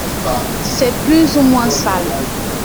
C’est plus ou moins sale.